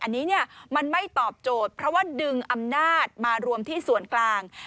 อันนี้มันไม่ตอบโจทย์เพราะว่าดึงอำนาจมารวมที่ส่วนกลาง